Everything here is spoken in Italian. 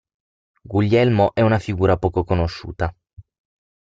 Guglielmo è una figura poco conosciuta.